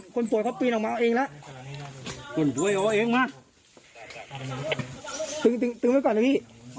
กลับไปเลยพี่